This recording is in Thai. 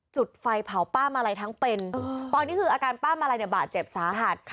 จุดไฟเผาป้ามาลัยทั้งเป็นตอนนี้คืออาการป้ามาลัยเนี่ยบาดเจ็บสาหัส